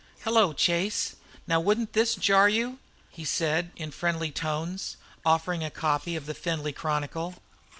"Hello, Chase, now wouldn't this jar you?" he said, in friendly tones, offering a copy of the Findlay Chronicle.